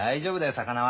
魚は。